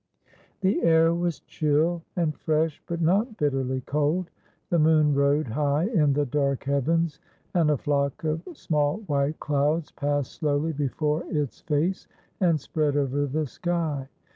The air was chill and fresh, but not bitterly cold. The moon rode high in the dark heavens, and a flock of small white clouds passed slowly before its face and spread over the sky.